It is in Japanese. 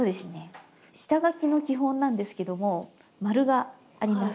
下書きの基本なんですけども丸があります。